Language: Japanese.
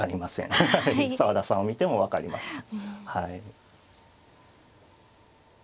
澤田さんを見ても分かりません。